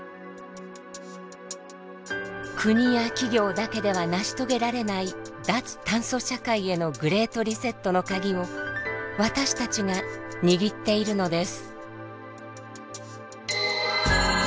国や企業だけでは成し遂げられない脱炭素社会へのグレート・リセットのカギを私たちが握っているのです。